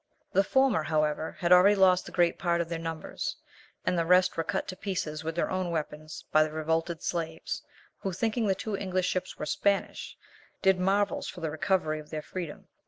The former, however, had already lost the great part of their numbers, and the rest were cut to pieces with their own weapons by the revolted slaves, who, thinking the two English ships were Spanish, did marvels for the recovery of their freedom.